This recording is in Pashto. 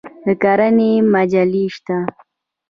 د کرنې مجلې شته؟